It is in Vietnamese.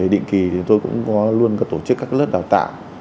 định kỳ thì tôi cũng có luôn tổ chức các lớp đào tạo